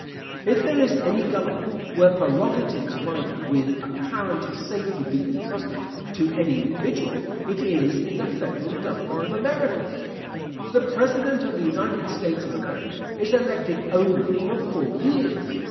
If there is any government where prerogatives might with apparent safety be entrusted to any individual, it is in the federal government of America. The president of the United States of America is elected only for four years.